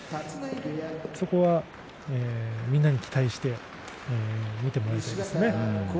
そこは、みんなに期待して見てもらいたいですね。